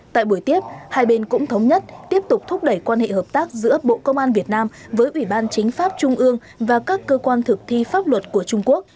tại buổi tiếp hai bên cũng thống nhất tiếp tục thúc đẩy quan hệ hợp tác giữa bộ công an việt nam với ủy ban chính pháp trung ương và các cơ quan thực thi pháp luật của trung quốc